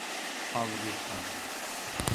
ফাও বকিস না।